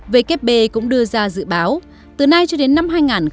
vkp cũng đưa ra dự báo từ nay cho đến năm hai nghìn hai mươi